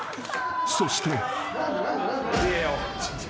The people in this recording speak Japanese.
［そして］